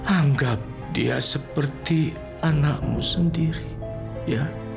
anggap dia seperti anakmu sendiri ya